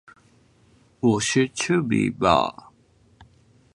我是猪鼻吧